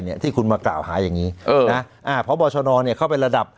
เนี่ยที่คุณมากล่าวหาอย่างนี้เออนะอ่าพบชนเนี่ยเขาเป็นระดับ